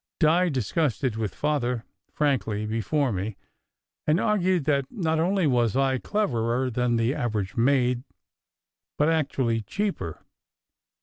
Di discussed it with Father frankly before me, and argued that not only was I cleverer than the average maid, but actually cheaper.